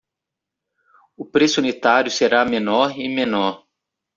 O preço unitário será menor e menor